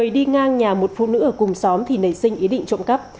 một mươi đi ngang nhà một phụ nữ ở cùng xóm thì nảy sinh ý định trộm cắp